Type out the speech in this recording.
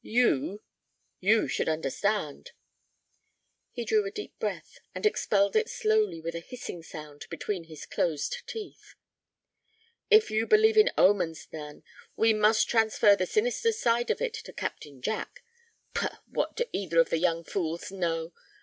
You—you should understand." He drew a deep breath, and expelled it slowly with a hissing sound between his closed teeth. "If you believe in omens, Nan, we must transfer the sinister side of it to Captain Jack. Pah! what do either of the young fools know?